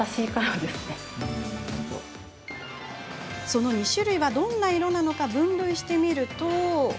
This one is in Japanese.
その２種類はどんな色か分類してみると。